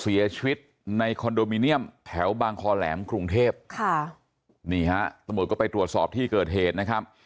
เสียชีวิตในคอนโดมิเนียมแถวบางคอแหลมกรุงเทพค่ะนี่ฮะตำรวจก็ไปตรวจสอบที่เกิดเหตุนะครับ